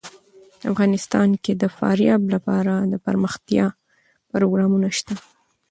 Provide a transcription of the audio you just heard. افغانستان کې د فاریاب لپاره دپرمختیا پروګرامونه شته.